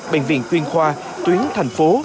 bệnh viện chuyên khoa tuyến thành phố